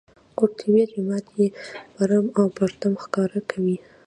قورطیبه جومات یې برم او پرتم ښکاره کوي.